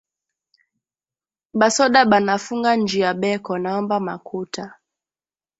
Ba soda banafunga njia beko naomba makuta